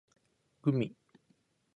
gumi